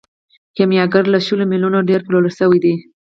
کیمیاګر له شلو میلیونو ډیر پلورل شوی دی.